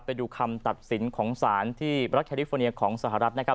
ไปดูคำตัดสินของสารที่รัฐแคลิฟอร์เนียของสหรัฐนะครับ